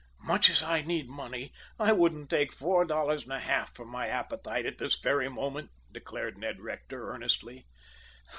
"Much as I need money, I wouldn't take four dollars and a half for my appetite at this very moment," declared Ned Rector, earnestly.